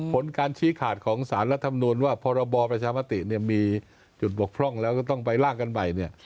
ผลการชี้ขาดของสารและธรรมนูลว่าพบประชามติมีจุดบกพร่องแล้วก็ต้องไปล่างกันใหม่